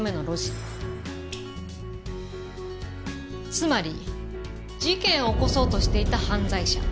つまり事件を起こそうとしていた犯罪者。